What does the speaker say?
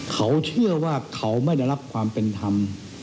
เขาเชื่อว่าเขาไม่ได้รับความเป็นธรรม